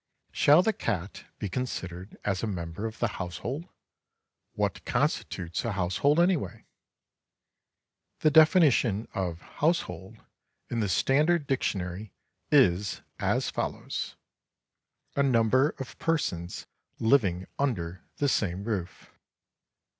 Shall the cat be considered as a member of the household? What constitutes a household anyway? The definition of "Household" in the Standard Dictionary is as follows: "_A number of persons living under the same roof.